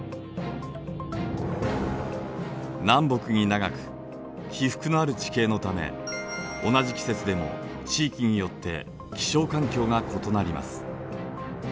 南北に長く起伏のある地形のため同じ季節でも地域によって気象環境が異なります。